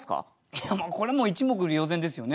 いやこれもう一目瞭然ですよね。